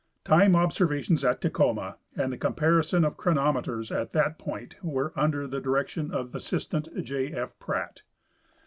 Time observations at Tacoma and the comparison of chronometers at that point were under the direc tion of assistant J. F. Pratt.